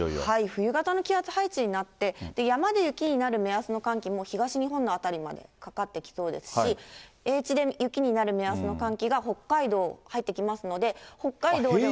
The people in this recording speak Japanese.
冬型の気圧配置になって、山で雪になる目安の寒気、東日本の辺りまでかかってきそうですし、平地で雪になる目安の寒気が北海道に入ってきますので、北海道では。